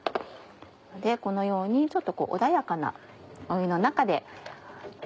このようにちょっと穏やかな湯の中で。